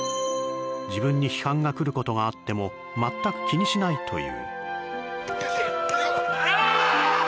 自分に批判が来ることはあっても全く気にしないという。